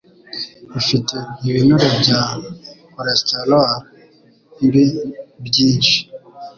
Afite Ibinure bya choresterol mbi byinshi